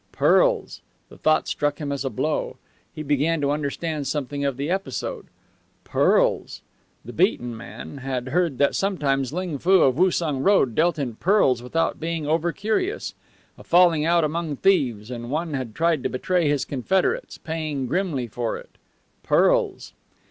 Pearls! The thought struck him as a blow. He began to understand something of the episode. Pearls! The beaten man had heard that sometimes Ling Foo of Woosung Road dealt in pearls without being overcurious. A falling out among thieves, and one had tried to betray his confederates, paying grimly for it. Pearls!